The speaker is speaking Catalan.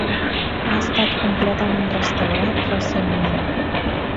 Ha estat completament restaurat recentment.